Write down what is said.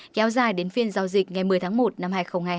kéo dài đến phiên giao dịch ngày một mươi tháng một năm hai nghìn hai mươi